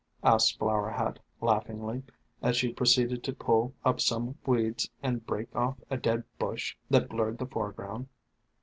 asked Flower Hat laughingly, as she proceeded to pull up some weeds and break off a dead bush that blurred the foreground.